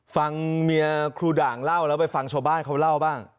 ฟังเมียครูด่างเล่าแล้วไปฟังชาวบ้านเขาเล่าบ้าง